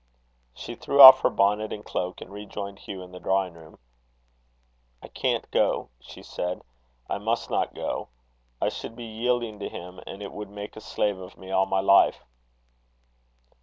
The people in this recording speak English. She threw off her bonnet and cloak, and rejoined Hugh in the drawing room. "I can't go," she said. "I must not go. I should be yielding to him, and it would make a slave of me all my life."